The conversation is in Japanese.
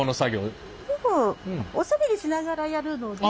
でもおしゃべりしながらやるので。